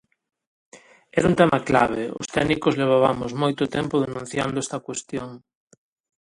Era un tema clave, os técnicos levabamos moito tempo denunciando esta cuestión.